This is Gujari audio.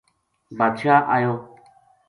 بادشاہ ایو